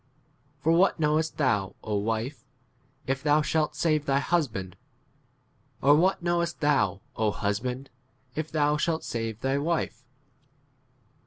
For what knowest thou, wife, if thou shalt save thy husband ? or what knowest thou, O husband, if thou 1 7 shalt save thy wife